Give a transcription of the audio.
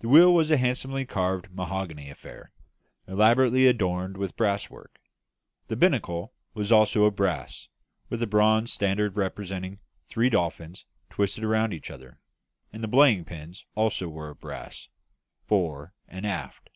The wheel was a handsomely carved mahogany affair, elaborately adorned with brasswork; the binnacle also was of brass, with a bronze standard representing three dolphins twisted round each other; and the belaying pins also were of brass, fore and aft.